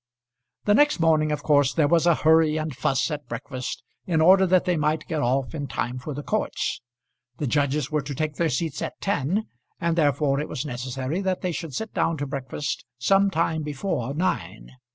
The next morning of course there was a hurry and fuss at breakfast in order that they might get off in time for the courts. The judges were to take their seats at ten, and therefore it was necessary that they should sit down to breakfast some time before nine.